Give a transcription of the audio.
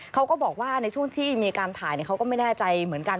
เขาก็บอกว่าในช่วงที่มีการถ่ายเขาก็ไม่แน่ใจเหมือนกัน